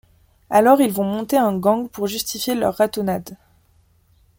Alors ils vont monter un gang pour justifier leur ratonnade.